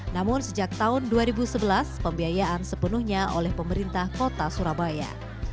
namun sejak tahun dua ribu sebelas pembiayaan sepenuhnya oleh pemerintah kota surabaya